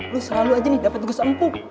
lo selalu aja nih dapet tugas empuk